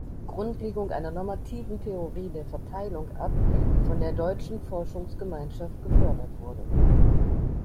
Grundlegung einer normativen Theorie der Verteilung" ab, die von der Deutschen Forschungsgemeinschaft gefördert wurde.